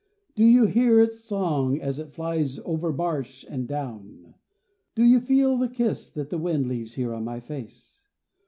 Do you hear its song as it flies over marsh and down? Do you feel the kiss that the wind leaves here on my face?